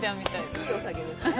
いいお酒ですね。